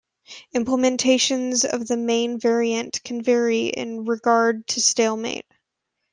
Implementations of the main variant can vary in regard to stalemate.